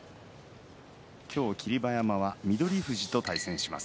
今日、霧馬山、翠富士と対戦します。